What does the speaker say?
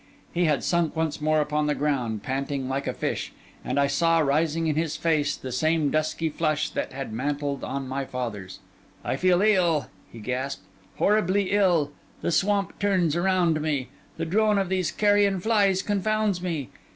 He had sunk once more upon the ground, panting like a fish; and I saw rising in his face the same dusky flush that had mantled on my father's. 'I feel ill,' he gasped, 'horribly ill; the swamp turns around me; the drone of these carrion flies confounds me.